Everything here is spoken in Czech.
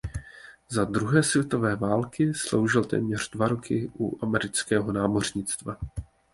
Za druhé světové války sloužil téměř dva roky u amerického námořnictva.